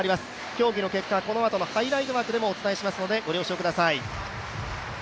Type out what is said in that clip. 競技の結果、このあとのハイライト枠でもお伝えしますのでご了承ください。